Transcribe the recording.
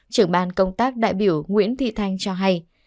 trưởng ban công tác đại biểu nguyễn thị thanh cho hay